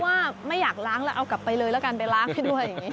เรียกว่าไม่อยากล้างแล้วเอากลับไปเลยแล้วกันไปล้างให้ด้วย